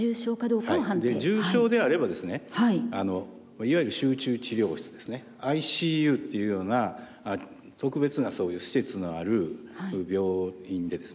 重症であればですねいわゆる集中治療室ですねＩＣＵっていうような特別なそういう施設のある病院でですね